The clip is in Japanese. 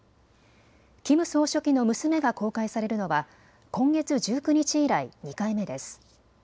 キム総書記の娘が公開されるのは今月１９日以来、２回目です。